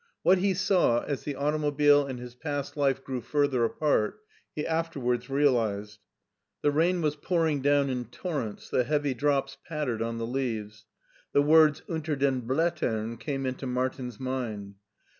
What he saw as the automobile and his past life grew fur ther apart, he afterwards realized. The rain was pour ing down in torrents; the heavy drops pattered on the leaves. The words " Unter den Slattern came into Martin's mind.